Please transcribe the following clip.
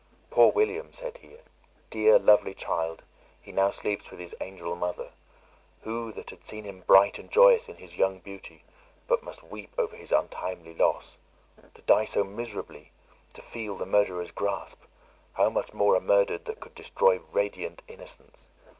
"Poor William!" said he, "dear lovely child, he now sleeps with his angel mother! Who that had seen him bright and joyous in his young beauty, but must weep over his untimely loss! To die so miserably; to feel the murderer's grasp! How much more a murdered that could destroy radiant innocence!